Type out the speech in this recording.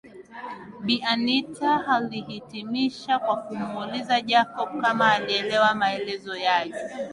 Bi Anita alihitimisha kwa kumuuliza Jacob kama alielewa maelezo yake